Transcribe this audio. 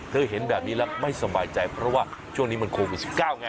เห็นแบบนี้แล้วไม่สบายใจเพราะว่าช่วงนี้มันโควิด๑๙ไง